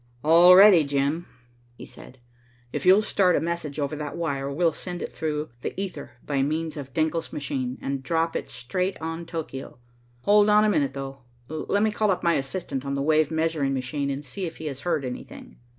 "All ready, Jim," he said. "If you'll start a message over that wire, we'll send it through the ether by means of Denckel's machine, and drop it straight on Tokio. Hold on a minute, though. Let me call up my assistant on the wave measuring machine, and see if he has heard anything."